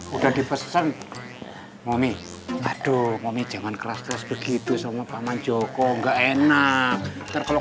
udah dipesan mami aduh mami jangan kelas kelas begitu sama paman joko nggak enak kalau